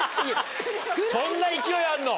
そんな勢いあんの？